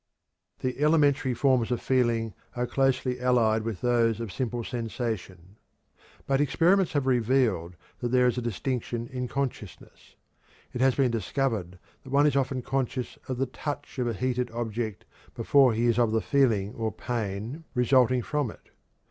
The elementary forms of feeling are closely allied with those of simple sensation. But experiments have revealed that there is a distinction in consciousness. It has been discovered that one is often conscious of the "touch" of a heated object before he is of the feeling or pain resulting from it.